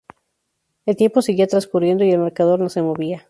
El tiempo seguía transcurriendo y el marcador no se movía.